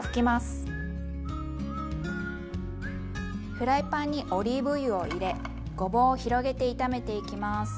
フライパンにオリーブ油を入れごぼうを広げて炒めていきます。